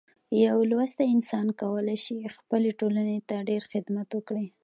یو لوستی انسان کولی شي خپلې ټولنې ته ډیر خدمت وکړي.